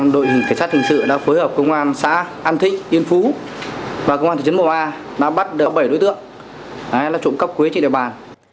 đội cảnh sát hình sự đã phối hợp công an xã an thích yên phú và công an thị trấn một a đã bắt bảy đối tượng trộm cắp quê trên địa bàn